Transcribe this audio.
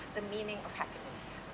apa artinya kebahagiaan